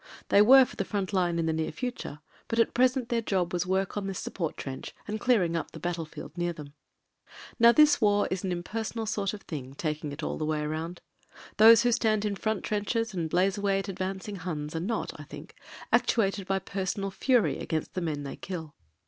They were for the front line in the near future — but at present their job was work on this support trench and clearing up the battlefield near them. Now this war is an impersonal sort of thing taking it all the way round. Those who stand in front trenches and blaze away at advancing Huns are not, I think, actuated by personal fury against the men they kill.